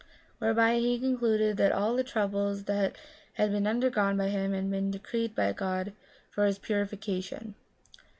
Whereby he concluded that all the troubles that had been undergone by him had been decreed by God for his purification.